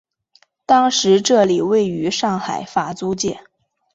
当时这里位于上海法租界。